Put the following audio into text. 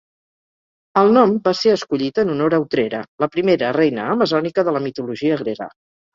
El nom va ser escollit en honor a Otrera, la primera reina amazònica de la mitologia grega.